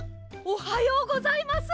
おはようございます！